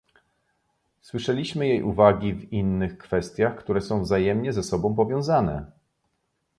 Słyszeliśmy jej uwagi w innych kwestiach, które są wzajemnie ze sobą powiązane